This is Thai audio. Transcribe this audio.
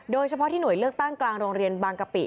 โดยเฉพาะที่หน่วยเลือกตั้งกลางโรงเรียนบางกะปิ